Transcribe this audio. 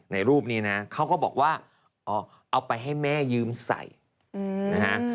รูปนี้นะเขาก็บอกว่าเอาไปให้แม่ยืมใส่นะฮะ